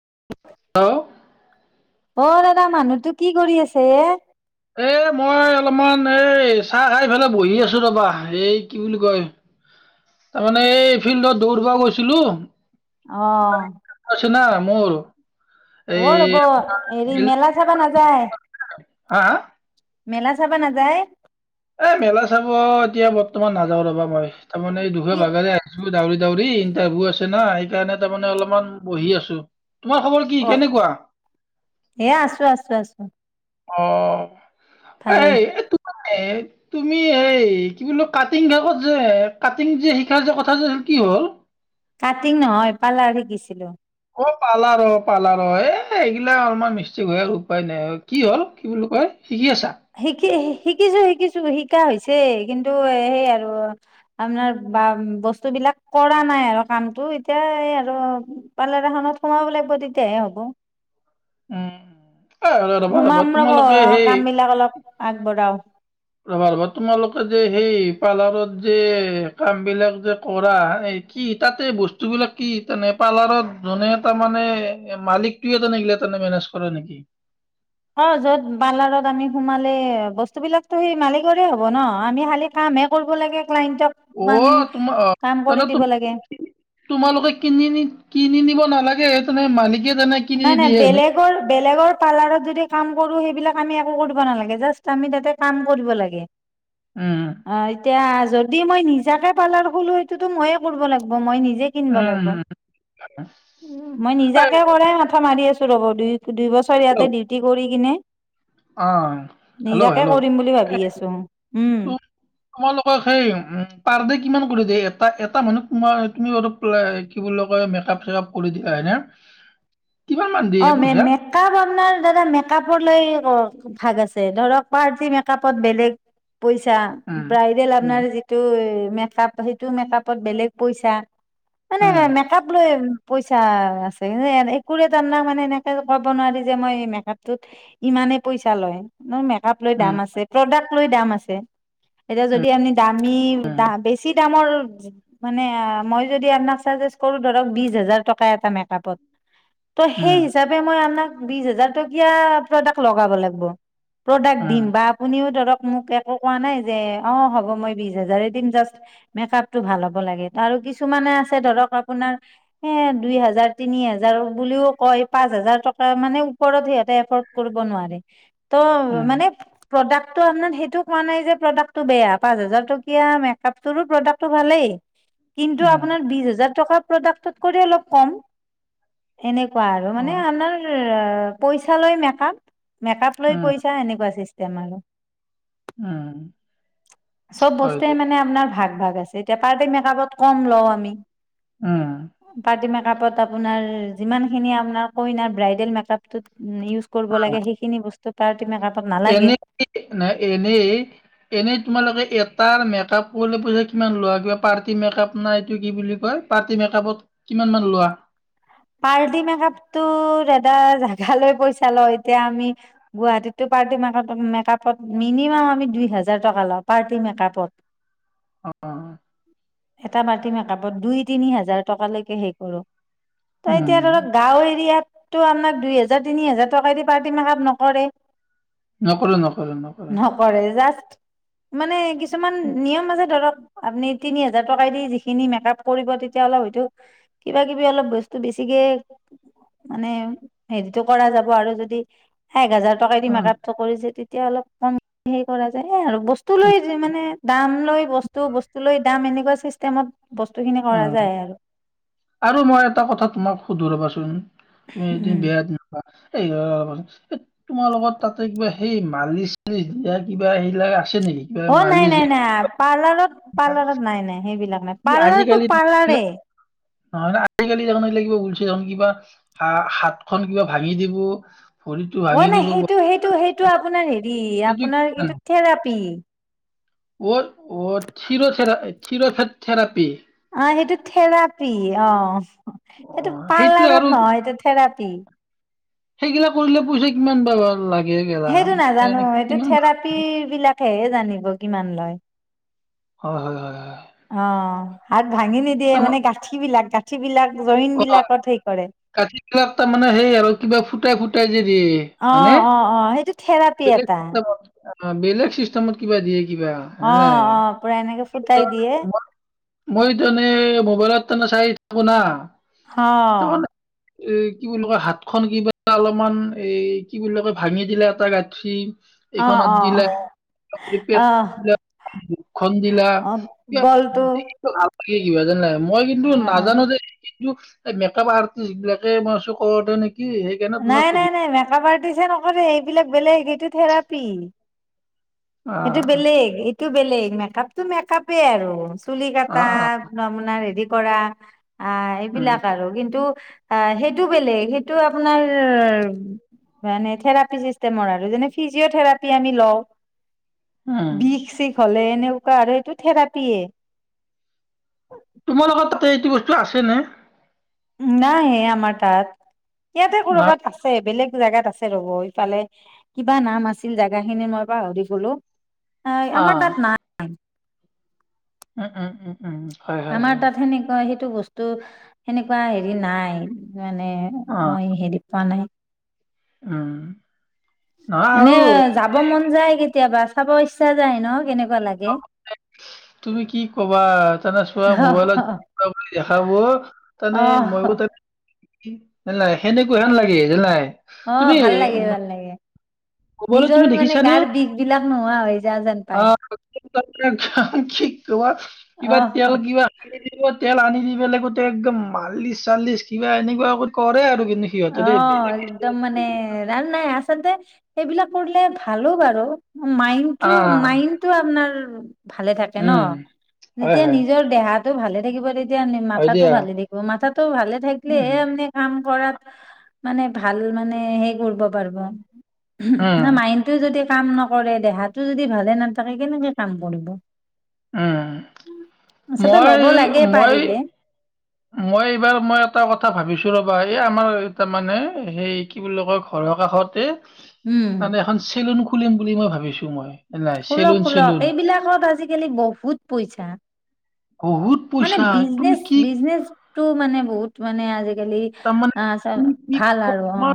[unintelligible] অঁ। অ দাদা মানুহতটো কি কৰি আছে এ? এ মই অলপমান এই চাহ খাইফালে বহি আছো ৰবা এই কি বুলি কয়। তাৰমানে এই ফিল্ডত দৌৰিব গৈছিলো। অ ছো না। মোৰো অ ৰ'ব হেৰি মেলা চাবা নাযায়। হা হা মেলা চাবা নাযায়। এ মেলা চাব এতিয়া বৰ্তমান নাযাও ৰবা মই। তাৰমানে এই কি দুখীয়া ভাগে আহিছো ডাউৰি দৰি ইণ্টাৰভিউ আছে না সেইকাৰণে তাৰমানে অলপমান বহি আছো। অ এ আছো আছো আছো। অ। এ ভালেই ত এই তুমি এই কি বুলিলো কাটিং কাকত যে কাটিং যে শিকা যে কথা যে কি হ'ল? কাটিং নহয় পাৰ্লাৰ শিকিছিলো। অ পালা ৰ পালা ৰ এ সগিলা অলমান মিষ্টেক হয় আৰু উপায় নাই কি হল কি বুলি কয়? শিকি আছা শিকি এহি শিকিছো শিকিছো শিকা হৈছে কিন্তু সেই আৰু আপোনাৰ বা বস্তু বিলাক কৰা নাই আৰু কামটো এতিয়া আৰু পাৰ্লাৰ এখনত সোমাব লাগিব তেতিয়াহে হ'ব। উম উম। সোমাম ৰ'ব কাম বিলাক অলপ আগবঢ়াও। ৰবা ৰবা তোমালোকে যে সেই পাৰ্লাৰত যে কাম বিলাক যে কৰা কি তাতে বস্তুবিলাক কি নে পাৰ্লাৰত যোনে তাৰ মানে মালিকটোৱে তেল মেনেজ কৰা নেকি? অ য'ত পাৰ্লাৰত আমি সোমালে বস্তু বিলাকতো সেই মালিকৰে হব ন আমি খালি কামহে কৰিব লাগে। ক্লাইণ্টক অ আমি তোমাৰ কাম কৰি তেনে দিব লাগে তোমালোকে কিনি কিনি নিব ন নালাগে এইটো নে মালিক নাই নাই বেলেগৰ বেলেগৰ পাৰ্লাৰত যদি কাম কৰো সেইবিলাক আমি একো কৰিব নালাগে জাষ্ট আমি তাতে কাম কৰিব লাগে। উম অ এতিয়া যদি মই নিজাকে পালাৰ খলো সেইটোতো ময়ে কৰিব লাগিব মই নিজ নিজে কিনব উম লাগিব। উম মই নিজা কে মাথা মাৰি আছো ৰ'ব দুই দুই বছৰ ইয়াতে এই ডিউটি কৰি কিনে অ হেল্ল' নিজাকে হেল্ল' কৰিম বুলি ভাবি আছো উম তোমালোকক সেই পাৰ দে কিমান কৰি দে এটা এটা মানুহে তোমাৰ তুমি বাৰ কি বুলি কয় মেকপ চেকপ কৰি দিয়া হয়নে? কিমান মান অ দিয়ে ম পইচা মেকআপ আপোনাৰ দাদা মেকপ লৈ ভাগ আছে ধৰক পাৰ্টি মেকআপত বেলেগ। পইচা উম ব্ৰাইডেল উম আপোনাৰ যিটো মেকআপ সেইটো মেকআপত বেলেগ পইচা মানে মেকআপ লৈ পইচা আছে একো জানাক মানে এনেকে কব নোৱাৰি যে মই মেকআপত ইমানেই পইচা লয় ন মেকাপ লৈ দাম উম আছে প্ৰাডা লৈ দাম আছে এতিয়া যদি আপুনি দামী, উম বেছি দামৰ মানে মই যদি আপোনাক চাজেষ্ট কৰো ধৰক বিশ হাজাৰ টকা এটা মেকআপত। ত' সেই উম হিচাবে মই আপুনাক বিশ হাজাৰ টকীয়া প্ৰডাক্ট লগাবলৈ কম প্ৰডাক্ট উম দিম বা আপুনিও ধৰক মোক একো কোৱা নাই যে অ হ'ব মই বিশ হাজাৰ দিম জাষ্ট মেকআপটো ভাল হ'ব লাগে আৰু কিছুমানে আছে ধৰক আপোনাৰ এ দুই হাজাৰ তিনি হাজাৰ বুলিও কয় পাঁচ হাজাৰ টকা মানে ওপৰত সিহঁতে এফৰ্ড কৰিব নোৱাৰে ত উম মানে প্ৰডাকট আপনাক সেইটো কোৱা নাই যে প্ৰডাক্টটো বেয়া পাঁচ হাজাৰ টকীয়া মেকআপটোৰো প্ৰডাক্টটো ভালেই কিন্তু উম আপোনাৰ বিশ হাজাৰ টকাত প্ৰডাক্টত কৰি অলপ কম। এনেকুৱা আৰু উম অ মানে আনাৰ এ পইচালৈ মেকআপ। মেকআপ লৈ উম পইচা এনেকুৱা ছিচটেম। তেমালে উম চ'ব হয় বস্তুৱে দিয়া মানে আপোনাৰ ভাগ ভাগ আছে এতিয়া পাৰ্টি মেকআপত কম লওঁ আমি। উম পাৰ্টি মেক কাপত আপোনাৰ যিমান খিনি আপোনাৰ কইনাৰ ব্ৰাইডেল মেকআপ টোত মেকআপত ই, নালাগে এনে নয় এনেই এনেই তোমালোকে তাৰ মেকআপ কৰিলে পছে কিমান লোৱা? কিবা পাৰ্টি মেকপ নাই এইটো কি বুলি কয়, পাৰ্টি মেকআপত কিমান মান লোৱা? পাৰটি মেকআপ দাদা জাগালৈ পইচা লওঁ এতিয়া আমি গুৱাহীততো পাৰ্টি মেকআপত মিনিমাম আমি দুই হাজাৰ টকা লওঁ, পাৰ্টি মেকাপত। অ [unintelligible] এটা পাৰ্টি মেকআপত দুই তিনি হাজাৰ টকালৈকে হেই কৰোঁ। তাই এতিয়া উম ধৰক গাঁও এৰিয়াত ত আৰনাক দুই হেজাৰ তিনি হেজাৰ টকা দি পাৰ্টি মেকাপ নকৰে। নকৰো নকৰো নকৰো নকৰে জাষ্ট মানে কিছুমান নিয়ম আছে ধৰক আপুনি তিনি হাজাৰ টকাাই দি যিখিনি মেকআপ কৰিব তেতিয়া অলপ হয়তো কিবা কিবি অলপ ত বেছিকে মানে হেৰিতটো কৰা যাব আৰু যদি এক হাজাৰ টকা দি অ মেকাপটো কৰিছে তেতিয়া অলপ কম হে কৰা যায় হে আৰু। বস্তু লৈ মানে দাম। লৈ বস্তু - বস্তু লৈ দাম এনেকুৱা চিষ্টেমত। বস্তুখিনি কৰা উম, যায় আৰু আৰু মই এটা কথা। তোমাক সুধৰবাচোন। তুমি এদিন উম। বিয়াত নাপা এই তোমাৰ লগত তাতে কিবা সেই মালিচ চালিচ দিয়া কিবা সেইবিলাক আছে নেকি কিবা অহ ' নাই - মালিচ নাই - নাই। পাৰ্লাৰত - পাৰ্লাৰত নাই - নাই সেইবিলাক নাই পাৰ্লাৰটো- আজিকালি নাথাকিলে পাৰ্লাৰে। নহয় আজিকালি যখ এই ল কিব লছে দেখন কিবা হা হাত খ কিবা ভাঙি দিব। ভৰিটো অহ ভাঙি ' নাই দিব সেইটো - সেইটো - সেইটো আপোনাৰ হেৰি সেইটো আপোনাৰ এইটো থেৰাপি। অহ ' থিৰো থেৰা থোৰা থেৰাপি। অহ ' সেইটো থেৰাপি অহ। অ সেইটো সেইটো আৰু পাৰ্লাৰত নহয় এইটো থেৰাপ পি সেইগিলা কৰিলে পইচা কিমান ব লাগে। গেলা সেইটো নাজানো এনে এইটো কিমান থেৰাপী বিলাক হে জানিব কিমান লয়। হয়- হয় - হয়। অহ ', আৰ ভাঙি নিদিয়ে মানে গাঠী বিলাক গাঠ ঠী বিলাক জইন অহ বিলাকত সেই কৰে ' গাঠি বিলাক তাৰমানে সেই আৰু কিবা ফুটাই - ফুটাই যেদি অ হয়নে অ অ সেইটো থেৰাপি বেলেগ এটা চিষ্টেমত। অহ ' বেলেগ চিষ্টেমত কিবা দিয়ে। কিবা অ নাই অ পুৰা এনেকে ফুটাই দিয়ে মই তানে মোবাইলত ত নে চাই থাকো না। অহ তাৰমানে ', এ কি বুলি কয় হাত খন কিব অলপমান এ কি বুলি কয় ভাঙি দিলে এটা গাঠি অ এইখনত দিলা অ আহ দখন দিলা অ গলটো কি কিবা যেন নাই। মই কিন্তু অ অ নাজানো দে। এ মেকআপ আৰ্টিষ্ট বিলাকে নে [unintelligible] নে নাই নাই নাই মেকআপ আৰ্ট টিছে নকৰে, এইবিলাক বেলেগ সেইটো থেৰাপি। অ সেইটো বেলেগ, এইটো বেলেগ মান কাপতটো মেকাপে আৰু তুলি অ কটা অ আপনা আপোনাৰ হেৰিত কৰা অ উম এইবিলাক আৰু কিন্তু আ সেহ। ইটো বেলেগ, সেইটো আপোনাৰ মানে থেৰাপী চিছতেমৰ আৰু মানে ফিজিঅ' থেৰাপী আমি লওঁ। উম বিষ চিষ হলে এনেকুৱা আৰু হেটো থেৰাপিয়ে। তোমাৰ লগত তাতে এইটো বস্তু আছেনে? নাই আমাৰতাত। ইয়াতে নাই কৰ'বাত আছে, বেলেগ জেগাত আছে ৰব, ইফালে কিবা নাম আছিল জেগা খিনি মই পাহৰিছোঁ ৰু। অ অ আমাৰ তাত নাই। উ-উ-উ। আমাৰ তাত সেনেকুৱা সেই টো বস্তু সেনেকুৱা হেৰি নাই মানে অ মই হেৰি পোৱা নাই। উম। নহয় এনে আৰু যাব মন যায় কিত তিয়াবা চাব ইচ্ছা যায় ন কেনেক তুমি কি কবা, তানে চোৱা মোবাইলত অ [unintelligible] বুলি দেখাব, তানে মইও তেনে [unintelligible] মিলাই। সেনেকুৱা হেন লাগে জানাই। অ ভাল লাগে, ভাল লাগে। কবলৈ নিজৰ তুমি মানে দেখিছানে, গাৰ বিষ বিলাক নোহোৱা হৈ যোৱা যেন পায় অহ [unintelligible] কাম কি [unintelligible] কিবা তেল অ কিবা [unintelligible] তেল আনি দি বিলাকতে একদম মালিছ চালিছ কিবা এনেকুৱ কৰে আৰু কিন্তু সিহঁতে অ দেই বেলেগ কিছু একদম মানে নকৰে। ৰা নাই আ চলতে সেইবিলাক কৰিলে ভালো বাৰু। মাইণ্ডটো আহ মাইণ্ডটো আপনাৰ ভালে থাকে ন, উম হয় যেতিয়া হয় নিজৰ দেহাত তো ভালে থাকিব তেত এতিয়া এনে হয় মাথাটো দিয়া ভালে দেখো। মাথাটো ভালে উম থাকিলেহে মানে কাম পৰা মানে ভাল মানে সেই কৰিব পাৰিব। উম না মাইণ্ডটোৱে যদি কাম নকৰে, দেহাটো যদি ভালে নাথাকে, কেনেকে কাম কৰিব? উম। আচলতে ল'ব মই- লাগে মই পাৰিলে মই এইবাৰ মই এটা কথা ভাবিছোঁ ৰ'বা। এই আমাৰ তাৰমানে সেই কি বুলি কয়, ঘৰৰ কাষতে উম তাতে এখন চেলুন খুলিম বুলি মই ভাবিছোঁ মই। নাই খোলক - চেলুন খোলক। চেলুন এইবিলাকত আজিকালি বহুত পইচা। বহুত পইচা। তুমি কি তো মানে বহুত মানে আজি গেলি তাৰমানে আ- চ- তুমি কি ভাল আৰু অ'। উম। তোমাৰ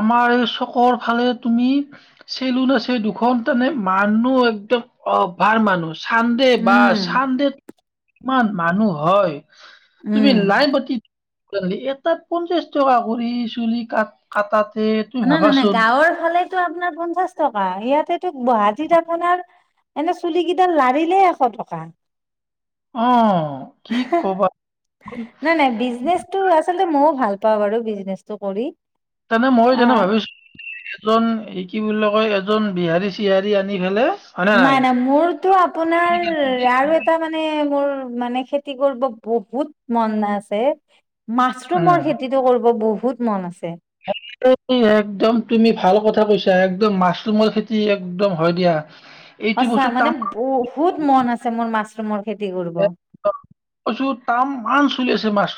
আমাৰ এই চকৰ ফালে তুমি চেলুন আছে দুখন তানে মানুহ একদম অভাৰ মানুহ। চানডে বা উম চানডে কিমান মানুহ হয়। তুমি উম লাইন পাতি এটাত পঞ্চাশ টকা কৰি চুলি কাট কাতাত নাই নাই নাই গাঁৱৰ ফালে টো আপোনাৰ পঞ্চাশ টকা ইয়াতে টো গুৱাহাটীত আপোনাৰ এনেই চুলি কেইডাল লাৰিলে এশ টকা। অ কি কবা নাই নাই বিজনেচটো আচলতে মইও ভাল পা বাৰু বিজনেচটো কৰি। তেনে মই অ যেনে ভাবিছোঁ এজন এ কি বুলি কয় এজন বিহাৰী চিহাৰী আনি ফেলে নাই নাই মোৰতো আপোনাৰ আৰু এটা মানে মোৰ মানে খেতি কৰিব বহুত মন আছে। উম মাছৰুমৰ খেতিটো কৰিব বহু বহুত মন আছে। [unintelligible] একদম তুমি ভাল কথা কৈছা একদম মাছৰুমৰ খেতি একদম হয় দিয়া। এইটো সঁচা বস্তু মানে তাম বহুত মন আছে মোৰ মাছ ৰোমৰ এ [unintelligible] কছো তাম মান চলি আছে জু মাছ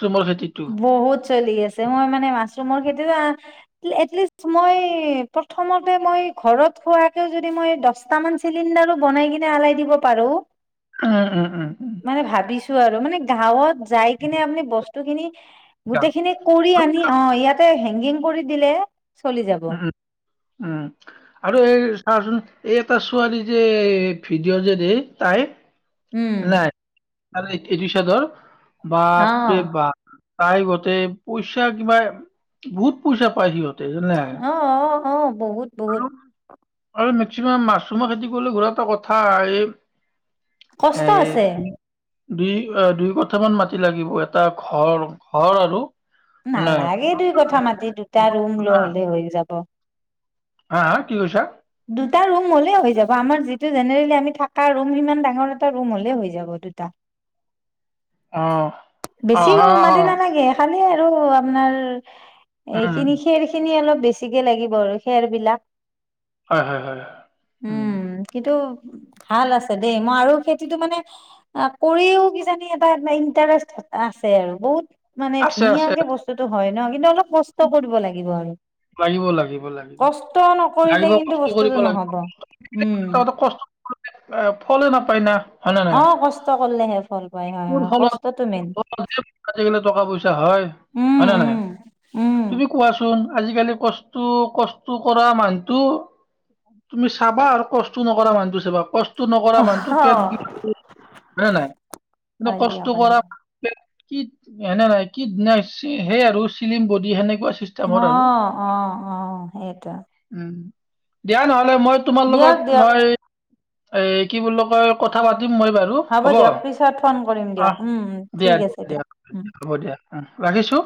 বহুত চলি আছে মই মানে মাছ ৰোমৰ খেতিটো আহ অতকিষ্ট মই প্ৰথমতে মই ঘৰত খোৱাকে যদি মই দহট মান চিলিণ্ডাৰো বনাই কিনে আলাই দিব পাৰো। উম, উম, উম, উম। মানে ভাবিছোঁ আৰু মানে ধাঁওয়ত যাই কিনে আপুনি বস্ত তখিনি দিয়া। গোটেইখিনি কৰি আনি অ ইয়াত হেংগিং কৰি দিলে চলি যাব উম উম উম আৰু এই চাচোন এই এটা ছোৱালী যে ভিডিঅ' যে দে তাই উম নাই এইটো চাদৰ অ বাপৰে বা তাই গতে পইচা কিবা বহুত পইচা পাই সিহঁত সেই নে অ অ অ' বহুত বহুত আৰু মেক্সিমাম মাছৰুমৰ খেতি কৰিলে আৰু এটা কথা এই কষ্ট এই আছে দুই দুই কথামান মাটি লাগিব এটা ঘৰ ঘৰ আৰু মানে নালাগে দুই কঠা মাটি দুটা ৰুম লৈ হলে হৈ যাব হা হা কি কৈছা দুটা ৰুম হ'লেই হৈ যাব আমাৰ যিটো জেনেৰেলি আমি থকা ৰুম সমান ডাঙৰ এটা ৰুম হ'লেই হৈ যাব দুটা অ' অ', অ', অ'। মানে আৰু আপোনাৰ উম এইখিনি খেৰ খিনি অলপ বেছিকে লাগিব আৰু খেৰ বিলাক। হয় হয় হয় হয় উম কিন্তু ভাল আছে দেই মই আৰু খেতিটো মানে কৰিও কিজানি এটা ইণ্টাৰেষ্ট এ আছে আৰু বহুত মানে আছে আছে ধুনীয়াকে আছে। বস্তুতটো হয়। নহ কিন্তু অলপ কষ্ট কৰিব লাগিব আৰু লাগিব লাগিব লাগিব কষ্ট নকৰিলে লাগিব কিন্তু কষ্ট কৰিব বস্তুটো লাগিব নহব উম [unintelligible] ফলো নাপায় না হয় নে নাই অ কষ্ট কৰিলেহে ফল পায় হয় [unintelligible] হয় কষ্টটো মেইন ফলত আজিকালি টকা পইচা হয় উম, হয় ন নাই উম, উম। তুমি কোৱাচোন আজিকালি কষ্ট কষ্ট কৰা মানুহটো তুমি চাবা আৰু কষ্ট নকৰা মানুহটো চাবা কষ্ট ষ্টো নকৰা অহ, মানুহটো পেট [unintelligible] হয়ে নহাই হয় দিয়ক, কষ্ট হয় কৰা দিয়ক। কি সেনে নাই কি সেই আৰু চিলিম বডি সেনেকে অ অ আহ সেইটো উম দিয়া নহয় মই তোমাৰ লগত মই এ কি বোলো কয় কথা পা হ'ব দিয়ক পিছত ফোন কৰিম আহ দিয়ক উম দিয়া ঠিক আছে দিয়া দিয়া দিয়ক উম হ'ব দিয়া ৰাখিছোঁ